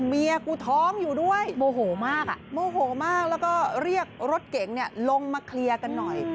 เมียกูท้องอยู่ด้วยโมโหมากโมโหมากแล้วก็เรียกรถเก๋งลงมาเคลียร์กันหน่อย